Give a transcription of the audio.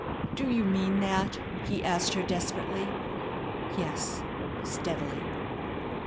"Do you mean that?" he asked her desperately. "Yes," steadily.